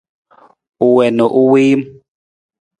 U wii na u wiim.